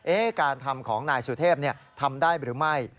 การทำของนายสุเทพทำได้หรือไม่